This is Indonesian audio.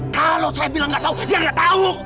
kalau saya bilang gak tau dia gak tau